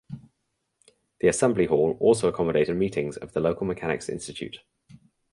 The assembly hall also accommodated meetings of the local mechanics institute.